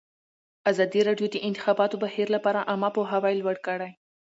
ازادي راډیو د د انتخاباتو بهیر لپاره عامه پوهاوي لوړ کړی.